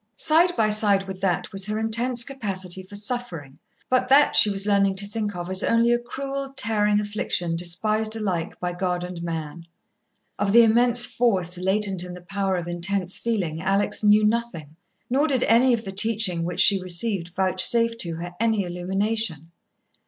Side by side with that, was her intense capacity for suffering, but that she was learning to think of as only a cruel, tearing affliction despised alike by God and man. Of the immense force latent in the power of intense feeling Alex knew nothing, nor did any of the teaching which she received vouchsafe to her any illumination.